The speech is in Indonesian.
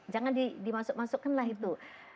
jangan dimasuk masukkan lah itu